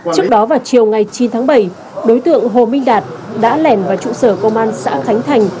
trước đó vào chiều ngày chín tháng bảy đối tượng hồ minh đạt đã lẻn vào trụ sở công an xã khánh thành